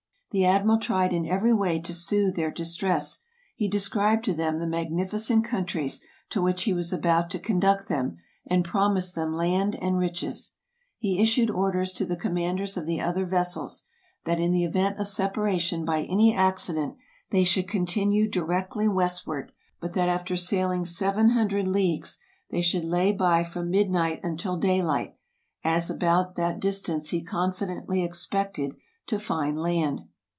The admiral tried in every way to soothe their distress, he described to them the magnificent countries to which he was about to conduct them and promised them land and riches. He issued orders to the commanders of the other vessels, that in the event of separation by any accident, they should continue directly westward; but that after sailing seven hundred leagues, they should lay by from midnight until daylight, as at about that distance he confidently ex pected to find land.